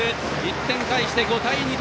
１点返して５対２！